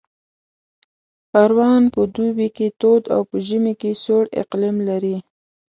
پروان په دوبي کې تود او په ژمي کې سوړ اقلیم لري